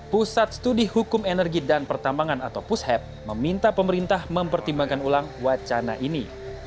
pusat studi hukum energi dan pertambangan atau pushep meminta pemerintah mempertimbangkan ulang wacana ini